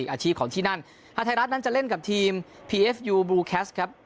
อาชีพของที่นั่นฮาไทยรัฐนั้นจะเล่นกับทีมพีเอฟยูบลูแคสต์ครับ